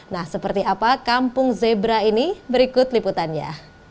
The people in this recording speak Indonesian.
nah seperti apa kampung zebra ini berikut liputannya